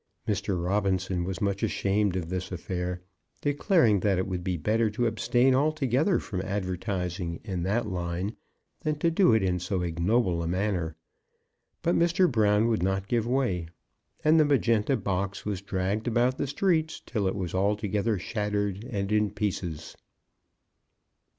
Mr. Robinson was much ashamed of this affair, declaring that it would be better to abstain altogether from advertising in that line than to do it in so ignoble a manner; but Mr. Brown would not give way, and the magenta box was dragged about the streets till it was altogether shattered and in pieces.